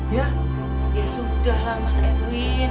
ya ya sudah lah mas edwin